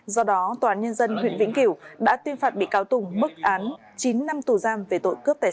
do đó tòa án nhân dân huyện vĩnh kiều đã tuyên phạt bị cáo tùng bức án chín năm tù giam về tội cướp tài sản